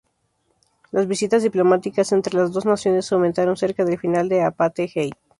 Las visitas diplomáticas entre las dos naciones aumentaron cerca del final del apartheid.